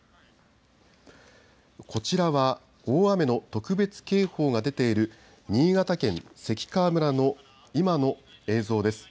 こちらは大雨の特別警報が出ている新潟県関川村の今の映像です。